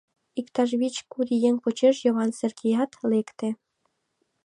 Иктаж вич-куд еҥ почеш Йыван Сергеят лекте.